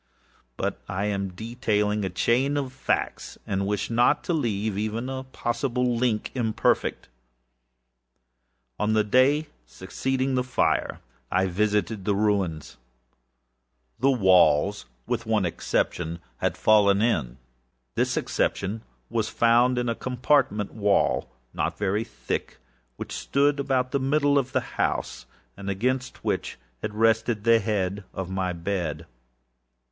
But I am detailing a chain of factsâand wish not to leave even a possible link imperfect. On the day succeeding the fire, I visited the ruins. The walls, with one exception, had fallen in. This exception was found in a compartment wall, not very thick, which stood about the middle of the house, and against which had rested the head of my bed.